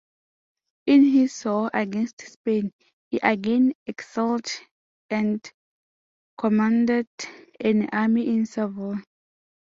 In his war against Spain, he again excelled and commanded an army in Savoy.